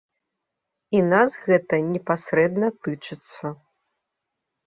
І нас гэта непасрэдна тычыцца.